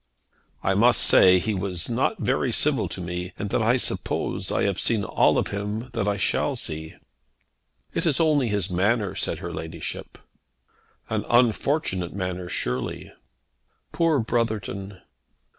"I must say that he was not very civil to me, and that I suppose I have seen all of him that I shall see." "It is only his manner," said her ladyship. "An unfortunate manner, surely." "Poor Brotherton!"